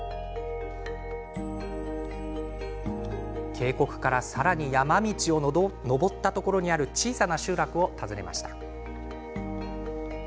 渓谷から、さらに山道を登ったところにある小さな集落を訪ねました。